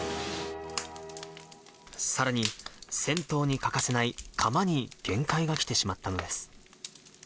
さらに、銭湯に欠かせない釜に限界がきてしまったのです。